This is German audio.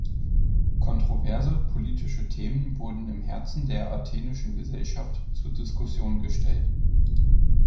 Kontroverse politische Themen wurden im Herzen der Athenischen Gesellschaft zur Diskussion gestellt.